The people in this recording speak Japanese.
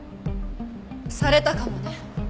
されたかもね。